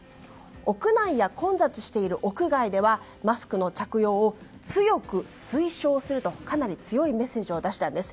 屋内や混雑している屋外ではマスクの着用を強く推奨するとかなり強いメッセージを出したんです。